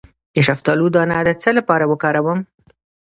د شفتالو دانه د څه لپاره وکاروم؟